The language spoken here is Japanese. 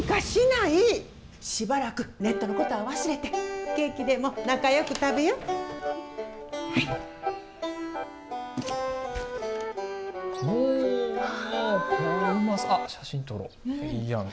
しばらくネットのことは忘れて、ケーキでも仲よく食べや。